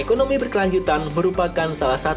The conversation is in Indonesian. ekonomi berkelanjutan merupakan salah satu